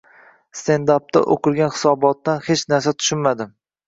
«Stendap»da o‘qilgan hisobotdan hech narsa tushunmadim.